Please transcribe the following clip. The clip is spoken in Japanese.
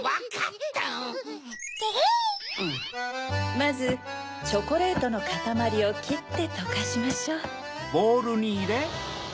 まずチョコレートのかたまりをきってとかしましょう。